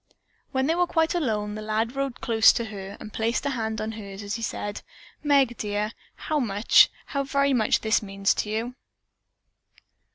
When they were quite alone the lad rode close to her, and placed a hand on hers as he said, "Meg, dear, how much, how very much this means to you."